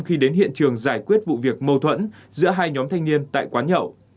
khi đến hiện trường giải quyết vụ việc mâu thuẫn giữa hai nhóm thanh niên tại quán nhậu